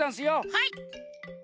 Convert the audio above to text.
はい！